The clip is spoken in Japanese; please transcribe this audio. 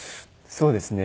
そうですね。